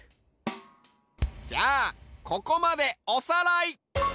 じゃあここまでおさらい！